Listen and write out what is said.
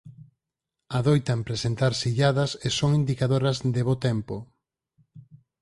Adoitan presentarse illadas e son indicadoras de bo tempo.